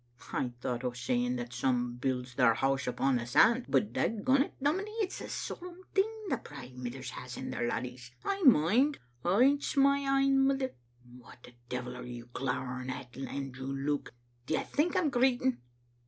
I thocht o' saying that some builds their house upon the sand, but — dagont, dominie, it's a solemn thing the pride mithers has in their laddies. I mind aince my ain mither — what the devil are you glowering at, Andrew Luke? Do you think I'm greeting?